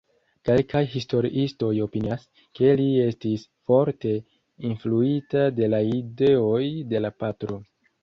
Kelkaj historiistoj opinias, ke li estis forte influita de la ideoj de la patro.